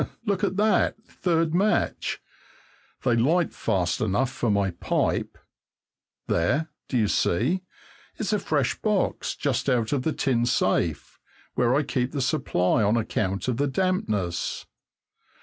Look at that the third match. They light fast enough for my pipe. There, do you see? It's a fresh box, just out of the tin safe where I keep the supply on account of the dampness.